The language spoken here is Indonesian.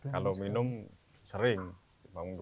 kalau minum sering